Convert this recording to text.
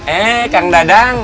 eh kang dadang